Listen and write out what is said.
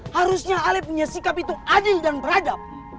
harusnya alif punya sikap itu adil dan beradab